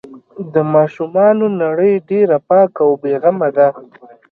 د ماشومانو نړۍ ډېره پاکه او بې غمه ده.